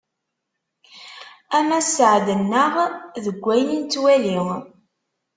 Ama sseɛd-nneɣ deg wayen i nettwali!